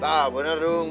tak bener dung